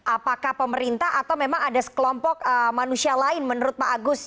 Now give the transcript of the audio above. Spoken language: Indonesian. apakah pemerintah atau memang ada sekelompok manusia lain menurut pak agus